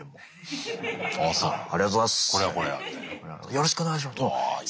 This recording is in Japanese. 「よろしくお願いします」。